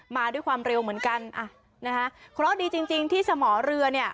มาด้วยความเร็วเหมือนกันอ่ะนะคะเคราะห์ดีจริงจริงที่สมอเรือเนี่ย